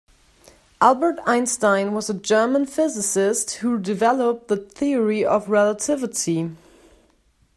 Albert Einstein was a German physicist who developed the Theory of Relativity.